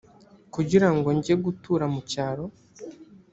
kugira ngo njye gutura mu cyaro